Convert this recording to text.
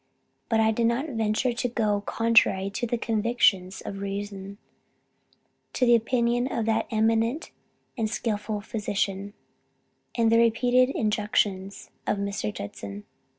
But I did not venture to go contrary to the convictions of reason, to the opinion of an eminent and skilful physician, and the repeated injunctions of Mr. Judson.